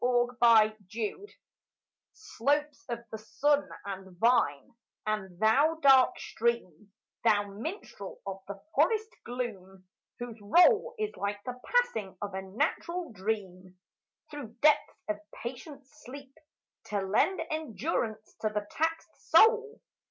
87 PASTORAL SLOPES of the sun and vine, and thou dark stream, Thou minstrel of the forest gloom, whose roll Is like the passing of a natural dream Through depths of patient sleep To lend endurance to the taxed soul.